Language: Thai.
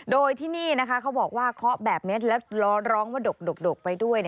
โดยที่นี่นะคะเคาะแบบนี้แล้วร้องไว้ดกไปด้วย